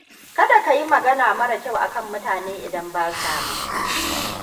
Kada ka yi magana mara kyau akan mutane idan basa nan.